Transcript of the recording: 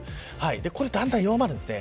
だんだんと弱まるんです。